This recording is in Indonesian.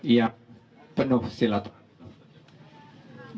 yang penuh silaturahim